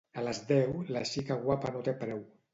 A les deu, la xica guapa no té preu.